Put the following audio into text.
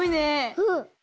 うん。